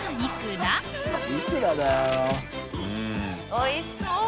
おいしそう！